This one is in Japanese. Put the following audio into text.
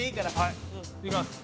いきます。